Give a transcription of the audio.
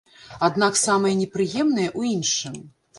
Аднак самае непрыемнае ў іншым.